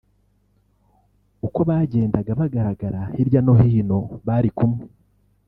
uko bagendaga bagaragara hirya no hino bari kumwe